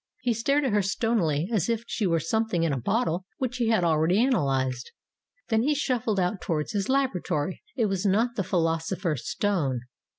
He stared at her stonily as if she were something in a bottle which he had already analyzed. Then he shuffled out towards his laboratory. It was not the philosopher's stone.